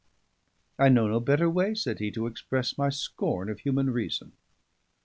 "I know no better way," said he, "to express my scorn of human reason."